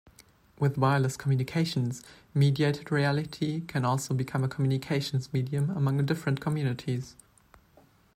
With wireless communications, mediated reality can also become a communications medium among different communities.